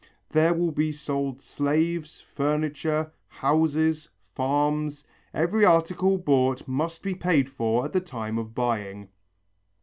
There will be sold slaves, furniture, houses, farms. Every article bought must be paid for at the time of buying."